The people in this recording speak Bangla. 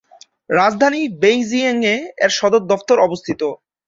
রাজধানী বেইজিংয়ে এর সদর দফতর অবস্থিত।